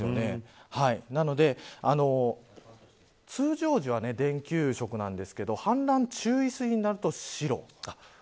なので通常時は電球色なんですけど氾濫注意水位になると白。